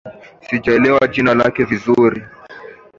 Sijaelewa jina lake vizuri